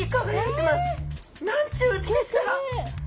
なんちゅう美しさだ！